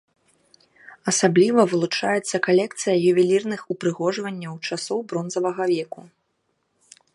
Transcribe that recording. Асабліва вылучаецца калекцыя ювелірных упрыгожванняў часоў бронзавага веку.